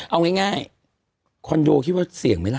เอาง่ายคอนโดคิดว่าเสี่ยงไหมล่ะ